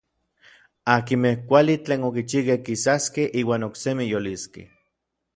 Akinmej kuali tlen okichijkej kisaskej iuan oksemi yoliskej.